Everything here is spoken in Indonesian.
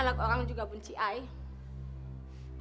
anak orang juga benci i